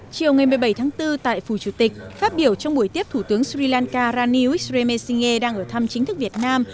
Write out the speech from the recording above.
chiều một mươi bảy tháng bốn tại phủ chủ tịch phát biểu trong buổi tiếp thủ tướng sri lanka rani wixremesinge đang ở thăm chính thức việt nam